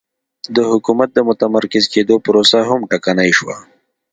د حکومت د متمرکز کېدو پروسه هم ټکنۍ شوه